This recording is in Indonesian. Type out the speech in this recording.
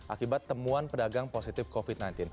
akibat temuan pedagang positif covid sembilan belas